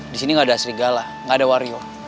di sini gak ada serigala gak ada wario